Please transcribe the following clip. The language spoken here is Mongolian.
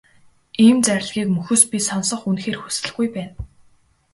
Ийм зарлигийг мөхөс би сонсох үнэхээр хүсэлгүй байна.